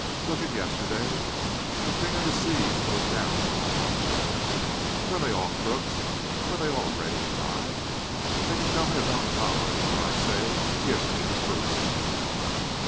Look at yesterday! The King of the Sea goes down with all on board. Were they all crooks? Were they all ready to die? They can tell me about God, but I say, 'Give me the proofs!'"